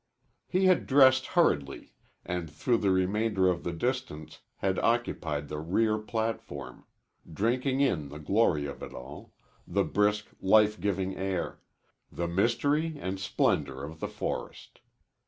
He had dressed hurriedly and through the remainder of the distance had occupied the rear platform, drinking in the glory of it all the brisk, life giving air the mystery and splendor of the forest.